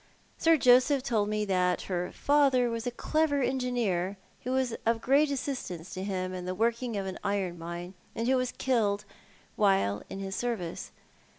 Sir Joseph told me that her father was a clever engineer, who was of great assistance to him in the working of an iron mine, and who was killed while in his service.